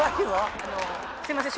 すいません。